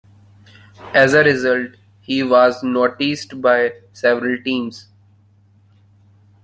As a result, he was noticed by several teams.